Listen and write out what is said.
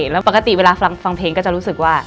แล้วปกติเวลาฟังเพลงก็จะรู้สึกว่า